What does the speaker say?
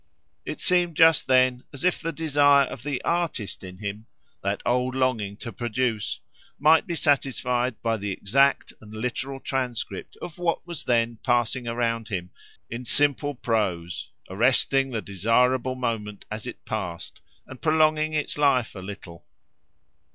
It seemed just then as if the desire of the artist in him—that old longing to produce—might be satisfied by the exact and literal transcript of what was then passing around him, in simple prose, arresting the desirable moment as it passed, and prolonging its life a little.